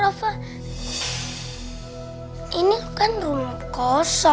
apaan tuh barusan